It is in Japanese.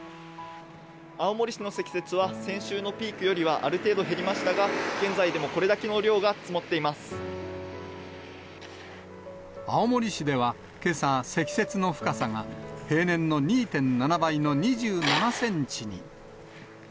青森市の積雪は、先週のピークよりはある程度減りましたが、現在でもこれだけの量が積もって青森市では、けさ、積雪の深さが平年の２．７倍の２７センチに。